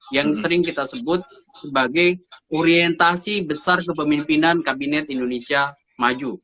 yang sering kita sebut sebagai orientasi besar kepemimpinan kabinet indonesia maju